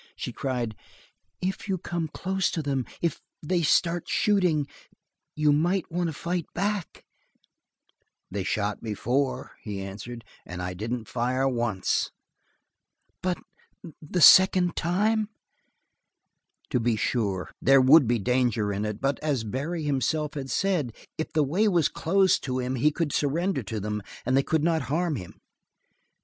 She cried: "If you come close to them if, they start shooting you might want to fight back " "They shot before," he answered, "and I didn't fire once." "But the second time?" To be sure, there would be danger in it, but as Barry himself had said, if the way was closed to him he could surrender to them, and they could not harm him.